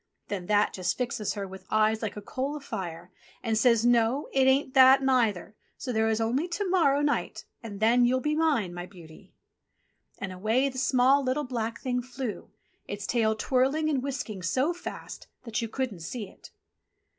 Then That just fixes her with eyes like a coal a fire, and says, "No, it ain't that neither, so there is only to morrow night and then you'll be mine, my beauty." And away the small, little, black Thing flew, its tail twirling and whisking so fast that you couldn't see it.